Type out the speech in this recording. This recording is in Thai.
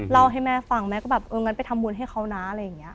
เล่าให้แม่ฟังแม่ก็แบบเอองั้นไปทำบุญให้เขานะอะไรอย่างนี้